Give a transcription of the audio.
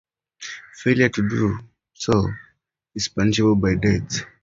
Failure to do so is punishable by death.